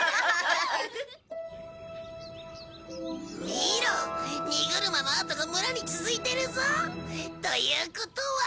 見ろ荷車の跡が村に続いてるぞ。ということは。